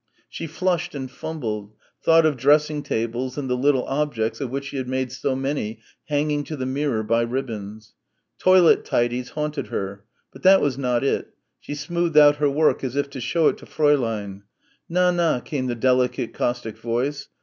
She flushed and fumbled thought of dressing tables and the little objects of which she had made so many hanging to the mirror by ribbons; "toilet tidies" haunted her but that was not it she smoothed out her work as if to show it to Fräulein "Na, na," came the delicate caustic voice.